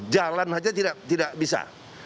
jalan saja tidak bisa